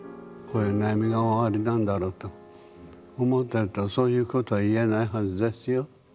こういう悩みがおありなんだろうと思ってるとそういうことは言えないはずですよ。